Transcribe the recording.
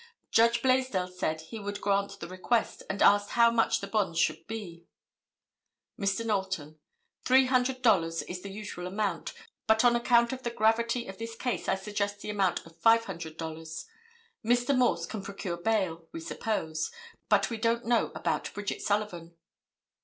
Judge Blaisdell said he would grant the request, and asked how much the bonds should be. [Illustration: MAYOR JOHN W. COUGHLIN.] Mr. Knowlton—"Three hundred dollars is the usual amount, but on account of the gravity of this case I suggest the amount be $500. Mr. Morse can procure bail, we suppose; but we don't know about Bridget Sullivan."